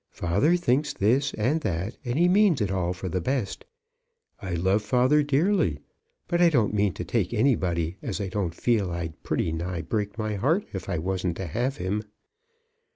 Father thinks this and that, and he means it all for the best. I love father dearly. But I don't mean to take any body as I don't feel I'd pretty nigh break my heart if I wasn't to have him.